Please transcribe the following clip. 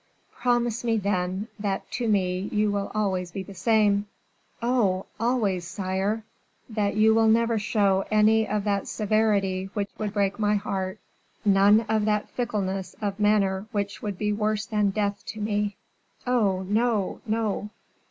"Promise me, then, that to me you will always be the same." "Oh! always, sire." "That you will never show any of that severity which would break my heart, none of that fickleness of manner which would be worse than death to me." "Oh! no, no."